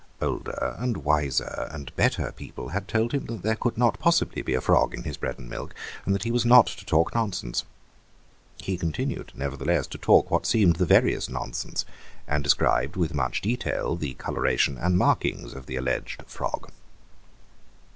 Older and wiser and better people had told him that there could not possibly be a frog in his bread and milk and that he was not to talk nonsense; he continued, nevertheless, to talk what seemed the veriest nonsense, and described with much detail the colouration and markings of the alleged frog.